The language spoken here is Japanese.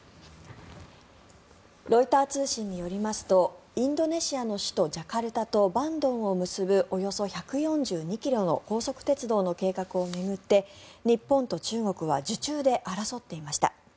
ロイター通信によりますとインドネシアの首都ジャカルタとバンドンを結ぶおよそ１４２ｋｍの高速鉄道の計画を巡って日本と中国は受注で争っていました。